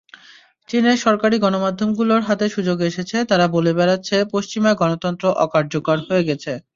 চীনের সরকারি গণমাধ্যমগুলোর হাতে সুযোগ এসেছে, তারা বলে বেড়াচ্ছে—পশ্চিমা গণতন্ত্র অকার্যকর হয়ে গেছে।